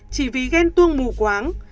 chỉ vì ghen tuông mù quáng